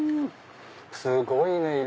すごいね！